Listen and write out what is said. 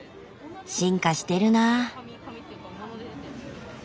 進化してるなぁ。